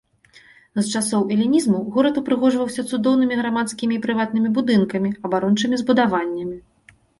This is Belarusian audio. З часоў элінізму горад упрыгожваўся цудоўнымі грамадскімі і прыватнымі будынкамі, абарончымі збудаваннямі.